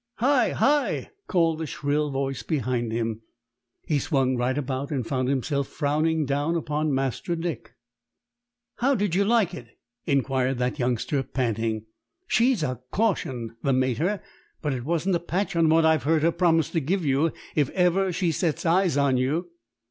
"Hi! hi!" called a shrill voice behind him. He swung right about and found himself frowning down upon Master Dick. "How did you like it?" inquired that youngster, panting. "She's a caution, the mater; but it wasn't a patch on what I've heard her promise to give you if ever she sets eyes on you."